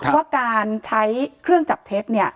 ว่าการใช้เครื่องจับเท็จ